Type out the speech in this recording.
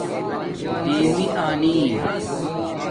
دِیمی آنی